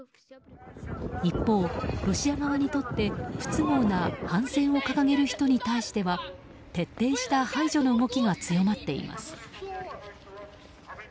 一方、ロシア側にとって不都合な反戦を掲げる人に対しては徹底した排除の動きが強まっています。